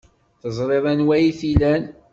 Teẓriḍ anwa ay t-ilan.